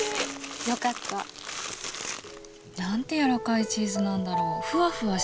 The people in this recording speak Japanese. よかった。なんてやわらかいチーズなんだろうふわふわしてる。